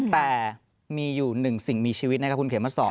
แต่มีอยู่หนึ่งสิ่งมีชีวิตนะครับคุณเขมมาสอน